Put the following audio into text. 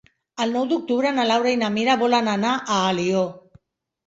El nou d'octubre na Laura i na Mira volen anar a Alió.